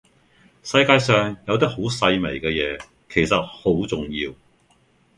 世界上有啲好細微嘅嘢，其實好重要